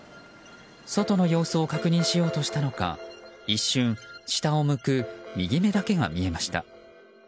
外の様子を確認しようとしたのか一瞬、下を向く右目だけが見えました。